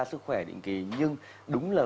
sức khỏe định kỳ nhưng đúng là